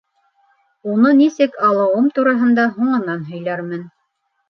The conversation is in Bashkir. Уны нисек алыуым тураһында һуңынан һөйләрмен.